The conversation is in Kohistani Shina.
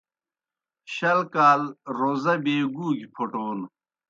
شل کال رزہ بیے گُو گیْ پھوٹون